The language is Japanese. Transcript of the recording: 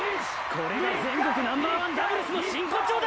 これが全国ナンバーワンダブルスの真骨頂だ！